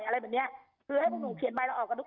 เขาบอกป่าวพวกหนูแบบนี้